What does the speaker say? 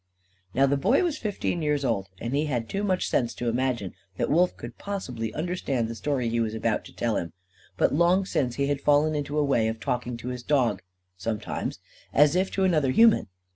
Now, the Boy was fifteen years old, and he had too much sense to imagine that Wolf could possibly understand the story he was about to tell him. But, long since, he had fallen into a way of talking to his dog, sometimes, as if to another human.